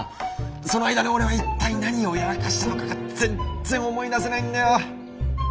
その間に俺は一体何をやらかしたのかが全然思い出せないんだよ。